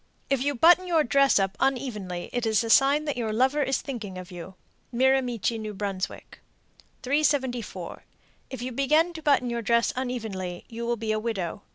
If you button your dress up unevenly, it is a sign that your lover is thinking of you. Miramichi, N.B. 374. If you begin to button your dress unevenly, you will be a widow.